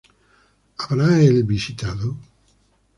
¿Habrá él visitado?